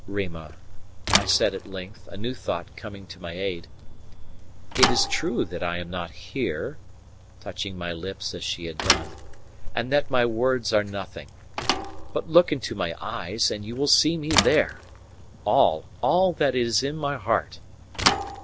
"Rima," I said at length, a new thought coming to my aid, "it is true that I am not here," touching my lips as she had done, "and that my words are nothing. But look into my eyes, and you will see me there all, all that is in my heart."